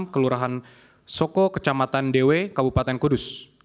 kelurahan soko kecamatan dewe kabupaten kudus